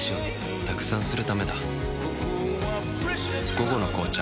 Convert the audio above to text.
「午後の紅茶」